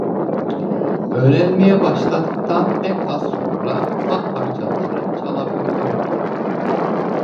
Öğrenmeye başladıktan pek az sonra, ufak parçaları çalabiliyordu.